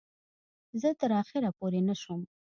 زه تر آخره پوی نه شوم.